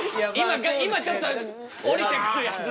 今ちょっと降りてくるやつ。